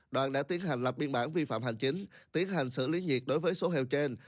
đoàn đã tiến hành lập biên bản vi phạm hành chính tiến hành xử lý nhiệt đối với số hàng trên